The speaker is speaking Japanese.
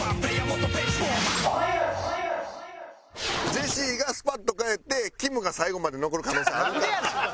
ジェシーがスパッと帰ってきむが最後まで残る可能性ある。